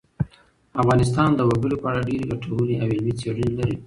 افغانستان د وګړي په اړه ډېرې ګټورې او علمي څېړنې لري.